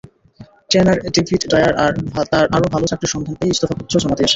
Trainer David Dwyer আরও ভালো চাকরির সন্ধান পেয়ে ইস্তফাপত্র জমা দিয়েছেন।